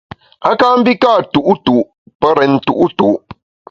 A ka mbi ka’ tu’tu’ pe rèn tu’tu’.